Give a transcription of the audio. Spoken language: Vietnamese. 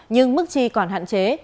nhưng mức chi còn hạn chế